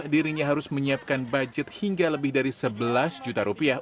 dirinya harus menyiapkan budget hingga lebih dari sebelas juta rupiah